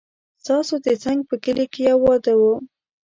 ستاسو د څنګ په کلي کې يو واده و